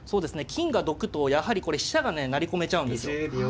金がどくとやはりこれ飛車がね成り込めちゃうんですよ。